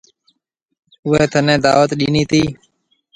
اُوئي ٿَني دعوت ڏنِي تي۔